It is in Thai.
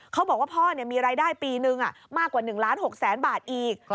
เขาบอกว่าพ่อมีรายได้ปีนึงมากกว่า๑ล้าน๖แสนบาทอีก